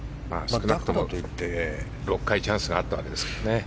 ６回チャンスがあったわけですからね。